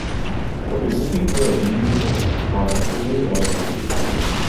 Kodupubliku ees mängimisega kaasneb suur vastutus.